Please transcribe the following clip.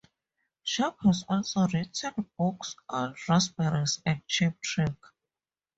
Sharp has also written books on Raspberries and Cheap Trick.